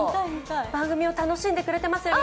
番組を楽しんでくれてますよね？